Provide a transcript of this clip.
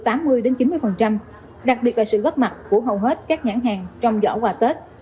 tuy đến chín mươi đặc biệt là sự góp mặt của hầu hết các nhãn hàng trong giỏ quà tết